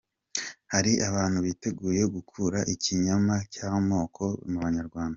Hari abantu biteguye gukura ikinyoma cy’amoko mu banyarwanda.